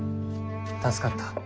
助かった。